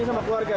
ini sama keluarga